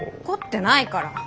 怒ってないから！